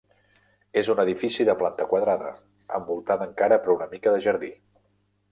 És un edifici de planta quadrada, envoltada encara per una mica de jardí.